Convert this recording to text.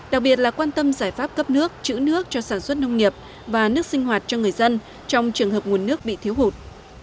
đặc biệt là quan tâm giải pháp cấp nước chữ nước cho sản xuất nông nghiệp và nước sinh hoạt cho người dân trong trường hợp nguồn nước bị thiếu hụt